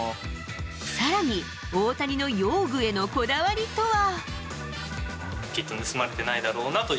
さらに、大谷の用具へのこだわりとは。